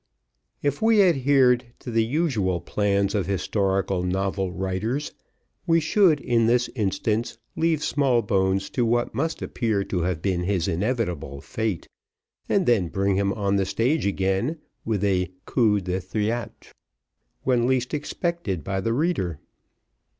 If we adhered to the usual plans of historical novel writers, we should, in this instance, leave Smallbones to what must appear to have been his inevitable fate, and then bring him on the stage again with a coup de théâtre, when least expected by the reader.